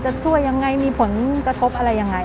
ช่วยยังไงมีผลกระทบอะไรยังไง